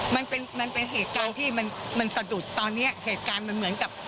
มันเป็นเหตุการณ์ที่มันตอดุตตอนนี้เหตุการณ์เป็นเหมือนกับ